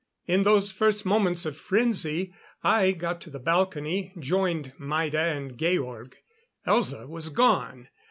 In those first moments of frenzy, I got to the balcony joined Maida and Georg. Elza was gone!